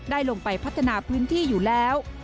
ได้ลงไปพัฒนาพื้นที่อยู่แล้ว